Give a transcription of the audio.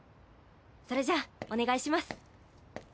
それじゃあお願いします。